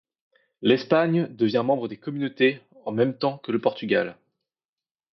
L’Espagne devient membre des Communautés le en même temps que le Portugal.